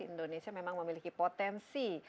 indonesia memang memiliki potensi